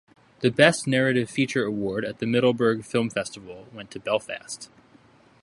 The Best Narrative Feature award at the Middleburg Film Festival went to "Belfast".